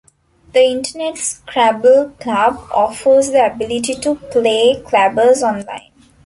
The Internet Scrabble Club offers the ability to play Clabbers online.